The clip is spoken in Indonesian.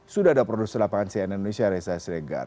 sudah ada produser lapangan cnn indonesia reza sregar